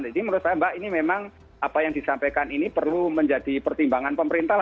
jadi menurut saya mbak ini memang apa yang disampaikan ini perlu menjadi pertimbangan pemerintah